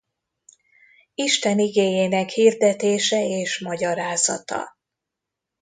Isten Igéjének hirdetése és magyarázata.